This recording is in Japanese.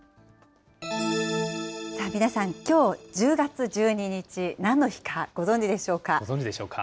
さあ、皆さん、きょう１０月１２日、何の日かご存じでしょうご存じでしょうか。